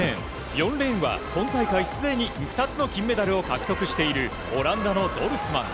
４レーンは今大会すでに２つの金メダルを獲得しているオランダのドルスマン。